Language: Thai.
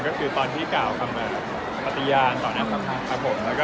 ก็คือตอนที่กล่าวคำแบบตอนนั้นครับครับผมแล้วก็